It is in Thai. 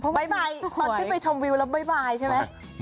ไปตอนที่ไปชมวิวแล้วไม่ไปใช่ไหม